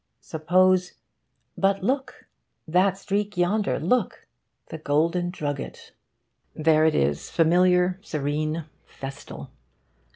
Suppose but look! that streak, yonder, look! the Golden Drugget. There it is, familiar, serene, festal.